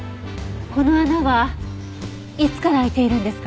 この穴はいつから開いているんですか？